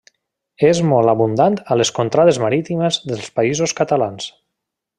És molt abundant a les contrades marítimes dels Països Catalans.